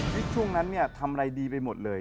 ช่วงนั้นเนี่ยทำอะไรดีไปหมดเลย